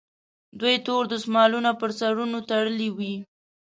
دوی تور دستمالونه پر سرونو تړلي وي.